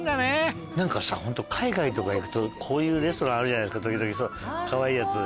何かさホント海外とか行くとこういうレストランあるじゃないですか時々かわいいやつ。